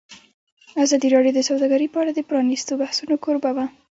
ازادي راډیو د سوداګري په اړه د پرانیستو بحثونو کوربه وه.